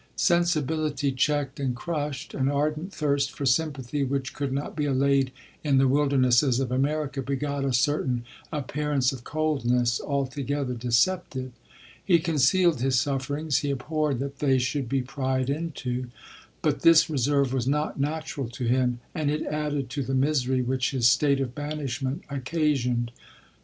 Sensi bility checked and crushed, an ardent thirst for sympathy which could not be allayed in the wildernesses of America, begot a certain appear ance of coldness, altogether deceptive. He concealed his sufferings — he abhorred that they should be pryed into; but this reserve was not natural to him, and it added to the misery which his state of banishment occasioned.